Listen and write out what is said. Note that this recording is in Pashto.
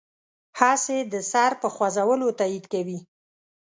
هسې د سر په خوځولو تایید کوي.